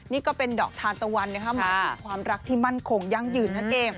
นี่ก็เป็นดอกทานตะวันนะครับมีความรักที่มั่นขงยั่งหยื่นนะเก้